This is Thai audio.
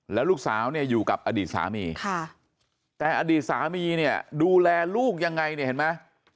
แล้วลูกสาวเนี่ยอยู่กับอดีตสามีแต่อดีตสามีเนี่ยดูแลลูกยังไงเนี่ยเห็นไหม